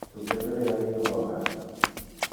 Tu deberea ir ora.